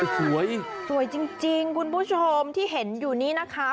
โห้ว้ตโอชัยซวยจริงจริงคุณผู้ชมที่เห็นอยู่นี้นะคะ